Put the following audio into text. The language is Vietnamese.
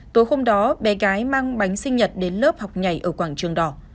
tối hôm đó bé gái mang bánh sinh nhật đến lớp học nhảy ở quảng trường đỏ